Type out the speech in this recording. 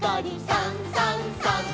「さんさんさん」